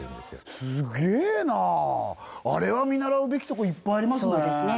すっげえなあれは見習うべきとこいっぱいありますね